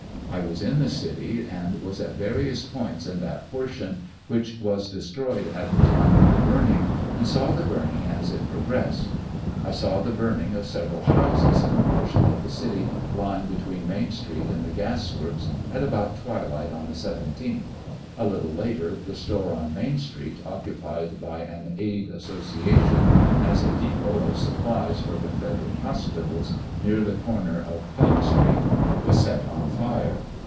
I was in the city, and' 13 was at various points in that portion which was de stroyed at the time of the burning, and saw the burn ing as it progressed. I saw the burning of several houses in the portion of the city lying between Main street and the gas works, at about twilight on the 17th. A little later the store on Main street, occupied by an Aid Association as a depot of supplies for Con federate hospitals, near the corner of Plain street, was set on fire.